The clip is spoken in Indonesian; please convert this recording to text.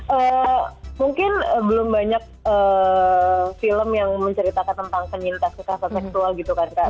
eee mungkin belum banyak film yang menceritakan tentang penyintas kekerasan seksual gitu kan kak